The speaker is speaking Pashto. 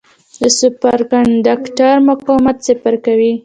د سوپر کنډکټر مقاومت صفر کوي.